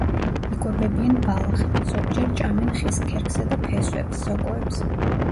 იკვებებიან ბალახით, ზოგჯერ ჭამენ ხის ქერქსა და ფესვებს, სოკოებს.